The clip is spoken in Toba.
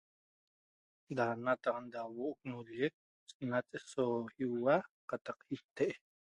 Da nataxan da huoo' ca nolleq nat aso igua cataq iatee'